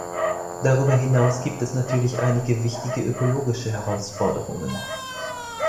Darüber hinaus gibt es natürlich einige wichtige ökologische Herausforderungen.